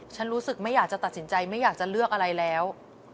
ฉันรู้สึกไม่อยากจะตัดสินใจไม่อยากจะเลือกอะไรแล้ว